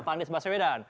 pak anies baswedan